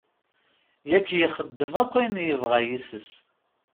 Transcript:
Yak ixdem akk ayen yebɣa yes-s.